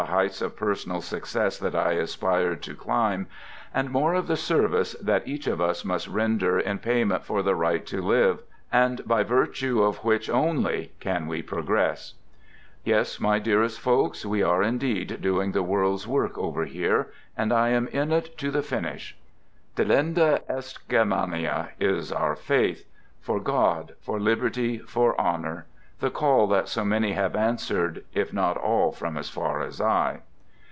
heights of personal success that I aspired to climb, and more of the service that each of us must render in payment for the right to live and by virtue of , which only can we progress. 86 "THE GOOD SOLDIER" Yes, my dearest folks, we are indeed doing the world's work over here, and I am in it to the finish. " Delenda est Germania !" is our faith. " For God, for Liberty, for Honor," the call that so many have answered, if not all from as far as I.